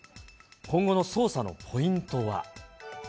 今後の捜査のポイントは。